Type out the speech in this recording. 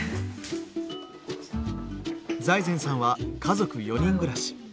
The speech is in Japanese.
財前さんは家族４人暮らし。